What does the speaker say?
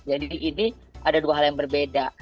jadi ini ada dua hal yang berbeda